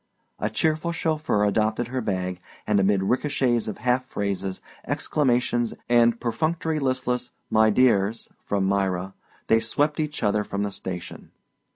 A cheerful chauffeur adopted her bag, and amid ricochets of half phrases, exclamations and perfunctory listless "my dears" from Myra, they swept each other from the station.